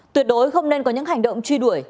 tuyệt đối không nên có những hành động truy đuổi